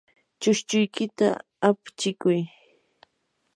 chushchuykita apchikuy.